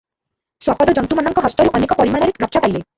ଶ୍ୱାପଦ ଜନ୍ତୁମାନଙ୍କ ହସ୍ତରୁ ଅନେକ ପରିମାଣରେ ରକ୍ଷା ପାଇଲେ ।